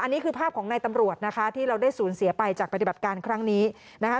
อันนี้คือภาพของนายตำรวจนะคะที่เราได้สูญเสียไปจากปฏิบัติการครั้งนี้นะคะ